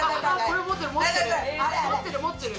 これ持ってる持ってる。